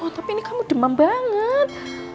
tapi ini kamu demam banget